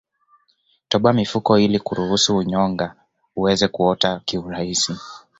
Toboa mifuko ili kuruhusu uyonga uweze kuota kiurahisi